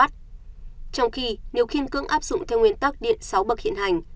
trong khi nếu khiên cưỡng áp dụng theo nguyên tắc điện sáu bậc hiện hành